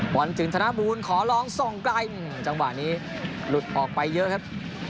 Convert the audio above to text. ถึงธนบูลขอลองส่องไกลจังหวะนี้หลุดออกไปเยอะครับ